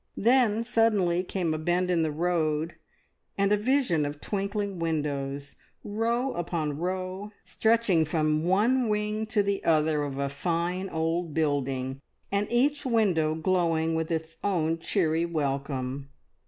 Then suddenly came a bend in the road, and a vision of twinkling windows, row upon row, stretching from one wing to the other of a fine old building, and each window glowing with its own cheery welcome.